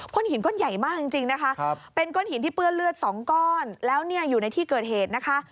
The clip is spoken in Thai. ้นหินก้อนใหญ่มากจริงนะคะเป็นก้อนหินที่เปื้อนเลือดสองก้อนแล้วเนี่ยอยู่ในที่เกิดเหตุนะคะ